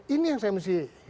ini yang saya mesti